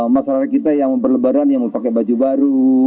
masyarakat kita yang berlebaran yang mau pakai baju baru